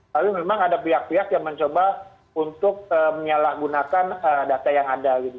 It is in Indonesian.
tapi memang ada pihak pihak yang mencoba untuk menyalahgunakan data yang ada gitu